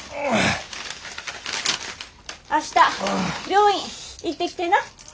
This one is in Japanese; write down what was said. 明日病院行ってきてな。